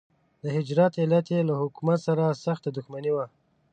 د هجرت علت یې له حکومت سره سخته دښمني وه.